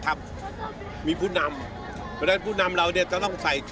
jadi pemimpin kita harus memakai pakaian seperti ini